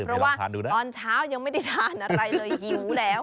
เพราะว่าตอนเช้ายังไม่ได้ทานอะไรเลยหิวแล้ว